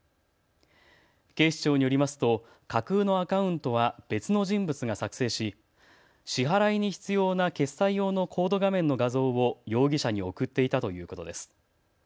警視庁によりますと架空のアカウントは別の人物が作成し支払いに必要な決済用のコード画面の画像を容疑者に送っていたということです。